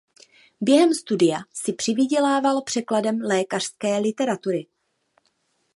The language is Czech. Během studia si přivydělával překladem lékařské literatury.